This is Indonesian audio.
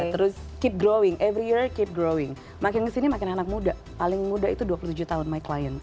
terus keep growing everyer keep growing makin kesini makin anak muda paling muda itu dua puluh tujuh tahun mclien